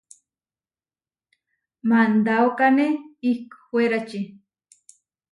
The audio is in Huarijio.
Mandaókane ihkwérači.